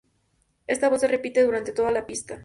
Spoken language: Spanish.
Esta voz se repite durante toda la pista.